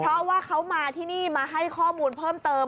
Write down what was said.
เพราะว่าเขามาที่นี่มาให้ข้อมูลเพิ่มเติม